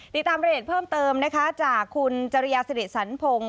ติดตามรายละเอียดเพิ่มเติมนะคะจากคุณจริยาสิริสันพงศ์